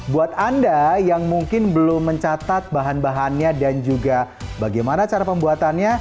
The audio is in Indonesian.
buat anda yang mungkin belum mencatat bahan bahannya dan juga bagaimana cara pembuatannya